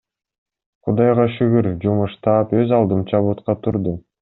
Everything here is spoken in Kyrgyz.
Кудайга шүгүр, жумуш таап, өз алдымча бутка турдум.